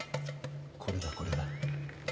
これだこれだ。